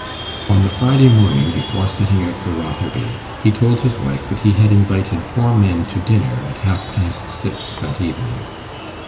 On the Friday morning, before setting out for Rotherby, he told his wife that he had invited 'four men' to dinner at half past six that evening.